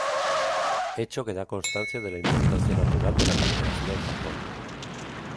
Hecho que da constancia de la importancia natural de la caligrafía en Japón.